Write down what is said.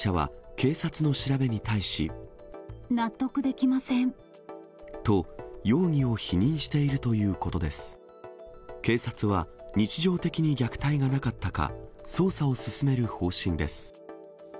警察は、日常的に虐待がなかったか、捜査を進める方針です。